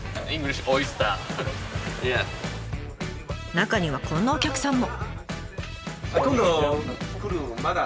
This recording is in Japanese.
中にはこんなお客さんも。